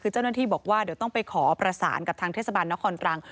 คือเจ้าหน้าที่บอกว่าเดี๋ยวต้องไปขอประสานกับทางเทศบาลนครตรัง